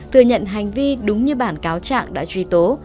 thừa nhận hành vi đúng như bản cáo trạng đã truy tố